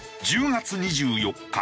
１０月２４日